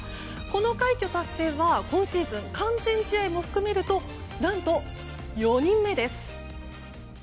この快挙達成は今シーズン完全試合も含めると何と４人目です。